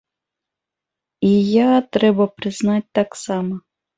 І я, трэба прызнаць, таксама.